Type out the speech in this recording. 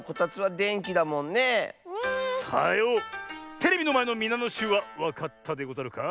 テレビのまえのみなのしゅうはわかったでござるか？